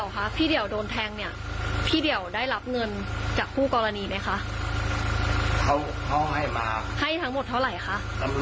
ค่ะแล้วยังไงต่อคะ